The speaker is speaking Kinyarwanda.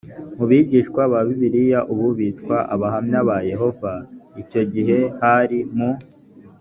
mu bigishwa ba bibiliya ubu bitwa abahamya ba yehova icyo gihe hari mu